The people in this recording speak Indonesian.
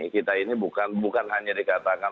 kita ini bukan hanya dikatakan